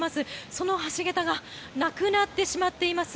その橋桁がなくなってしまっています。